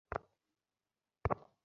ওদের সবাই মারা গেছে!